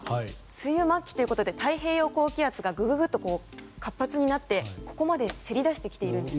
梅雨末期ということで太平洋高気圧がググッと活発になってここまでせり出してきています。